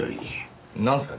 なんすか？